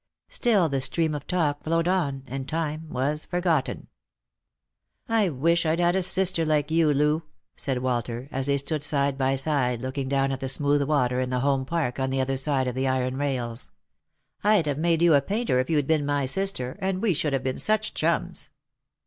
Still the stream of talk flowed on, and time was forgotten. " I wish I'd had a sister like you, Loo !" said Walter, as they stood side by side looking down at the smooth water in the Home Park on the other side of the iron rails. " I'd have made you a painter, if you'd been my sister, and we should have been such chums